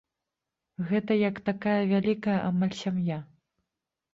Гэта як такая вялікая амаль сям'я.